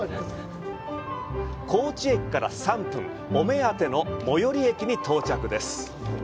高知駅から３分、お目当ての最寄り駅に到着です。